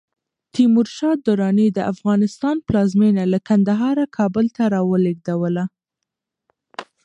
تیمور شاه دراني د افغانستان پلازمېنه له کندهاره کابل ته راولېږدوله.